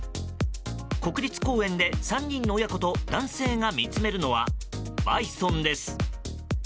国立公園で３人の親子と男性が見つめるのはバイソンです。